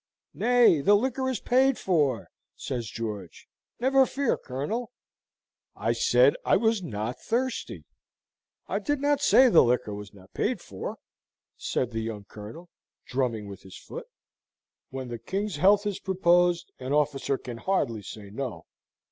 "Nay, the liquor is paid for," says George; "never fear, Colonel." "I said I was not thirsty. I did not say the liquor was not paid for," said the young Colonel, drumming with his foot. "When the King's health is proposed, an officer can hardly say no.